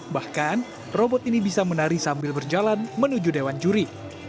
bahkan robot ini bisa menari sambil berjalan menuju dewan juri